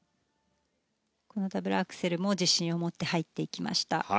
このダブルアクセルも自信を持って入っていきました。